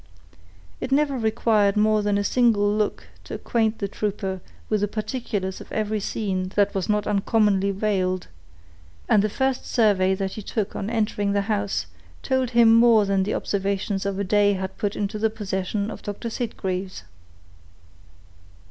It never required more than a single look to acquaint the trooper with the particulars of every scene that was not uncommonly veiled, and the first survey that he took on entering the house told him more than the observations of a day had put into the possession of Doctor Sitgreaves.